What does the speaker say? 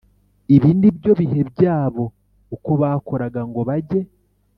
Ibi ni byo bihe byabo uko bakoraga ngo bajye